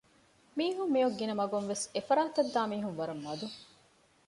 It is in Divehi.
މީހުން މިއޮއް ގިނަ މަގުންވެސް އެފަރާތަށްދާ މީހުން ވަރަށް މަދު